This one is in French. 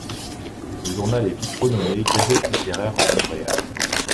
Le journal est vite renommé Gazette littéraire de Montréal.